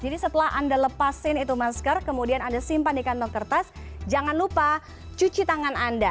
jadi setelah anda lepasin masker kemudian anda simpan di kantong kertas jangan lupa cuci tangan anda